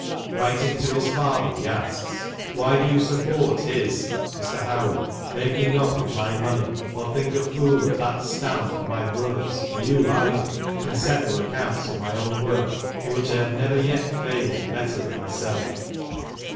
Writing to his father he asks, "Why do you support his [Mr. Howard] making off with my money, or think a fool of that stamp, or my brothers, or you either, can settle accounts of my own work, in which I have never yet failed, better than myself."